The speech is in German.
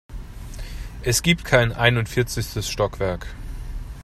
Es gibt kein einundvierzigstes Stockwerk.